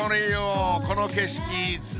この景色ザ